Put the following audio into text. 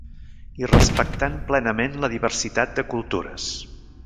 i respectant plenament la diversitat de cultures